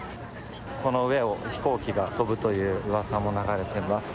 この上を飛行機が飛ぶといううわさも流れています。